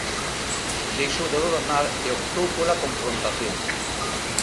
Deixou de gobernar e optou pola confrontación.